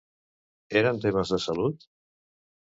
Eren temes de salut?